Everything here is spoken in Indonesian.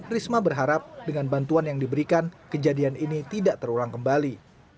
risma berharap dengan bantuan yang diberikan kejadian ini tidak terulang kembali